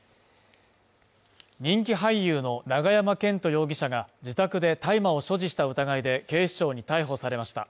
人気俳優の永山絢斗容疑者が自宅で大麻を所持した疑いで警視庁に逮捕されました。